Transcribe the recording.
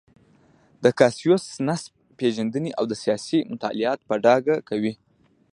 د کاسیوس نسب پېژندنې او سیاسي مطالعات په ډاګه کوي.